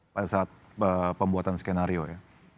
pada saat pembuatan skenario ya